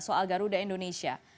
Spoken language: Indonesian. soal garuda indonesia